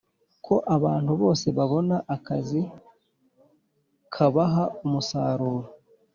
ko abantu bose babona akazi kabaha umusaruro